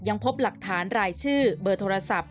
ยังพบหลักฐานรายชื่อเบอร์โทรศัพท์